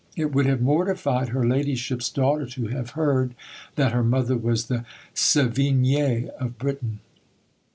It would have mortified her ladyship's daughter to have heard, that her mother was the Sévigné of Britain.